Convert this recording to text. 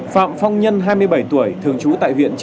phạm phong nhân hai mươi bảy tuổi thường trú tại viện chợ